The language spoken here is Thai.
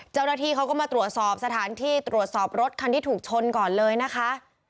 เจ้าหน้าที่เขาก็มาตรวจสอบสถานที่ตรวจสอบรถคันที่ถูกชนก่อนเลยนะคะ